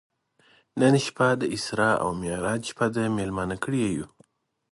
نن شپه د اسرا او معراج شپه ده میلمانه کړي یو.